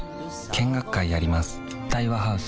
見学会やります